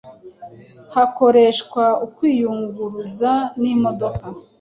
hakoreshwa ukwiyunguruza n’imodoka